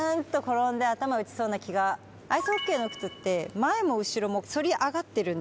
アイスホッケーの靴って前も後ろも反り上がってる。